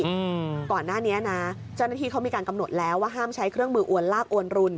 อืมก่อนหน้านี้นะเจ้าหน้าที่เขามีการกำหนดแล้วว่าห้ามใช้เครื่องมืออวนลากอวนรุน